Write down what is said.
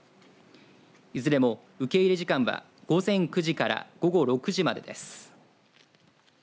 いずれも受け入れ時間は午前９時から午後６時までです。